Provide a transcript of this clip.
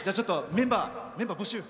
メンバー募集を。